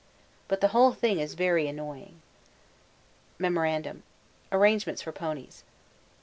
But the whole thing is very annoying. Memo. Arrangements for ponies.